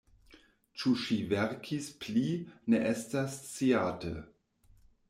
Ĉu ŝi verkis pli, ne estas sciate.